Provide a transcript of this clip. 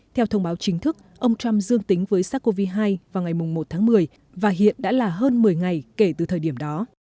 theo thông báo chính thức ông trump dương tính với sars cov hai vào ngày một tháng một mươi và hiện đã là hơn một mươi ngày kể từ thời điểm đó